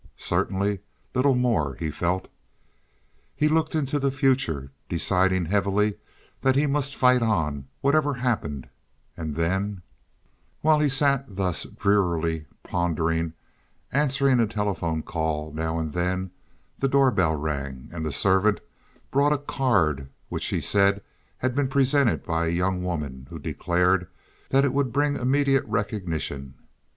Certainly little more, he felt. He looked into the future, deciding heavily that he must fight on, whatever happened, and then— While he sat thus drearily pondering, answering a telephone call now and then, the door bell rang and the servant brought a card which he said had been presented by a young woman who declared that it would bring immediate recognition.